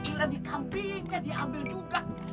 udah ilan dikambing jadi ambil juga